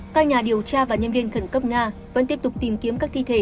các nhà điều tra và nhân viên khẩn cấp nga vẫn tiếp tục tìm kiếm các thi thể